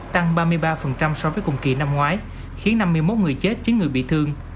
tăng ba mươi ba so với cùng kỳ năm ngoái khiến năm mươi một người chết chín người bị thương